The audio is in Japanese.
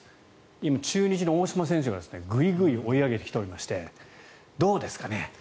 今、中日の大島選手がぐいぐい追い上げてきていましてどうですかね。